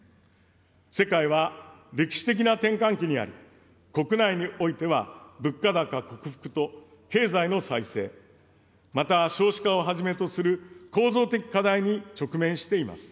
世界は歴史的な転換期にあり、国内においては物価高克服と経済の再生、また少子化をはじめとする構造的課題に直面しています。